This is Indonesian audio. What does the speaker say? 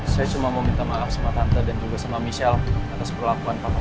saya cuma mau minta maaf sama tante dan juga sama michelle atas perlakuan papan